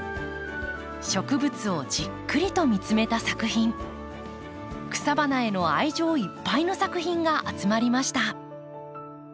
植物をじっくりと見つめた作品草花への愛情いっぱいの作品が集まりました。